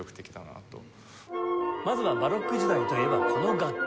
まずはバロック時代といえばこの楽器。